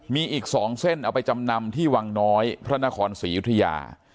มีอีก๒เส้นเอาไปจำนำที่วังน้อยพระนครศรียุธยา